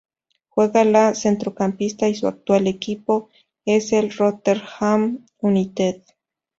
Juega de centrocampista y su actual equipo es el Rotherham United.